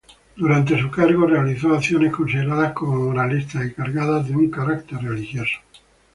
Durante su cargo realizó acciones consideradas como moralistas y cargadas de un carácter religioso.